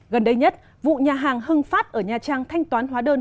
gần đây nhất vụ nhà hàng hưng phát ở nha trang thanh toán hóa đơn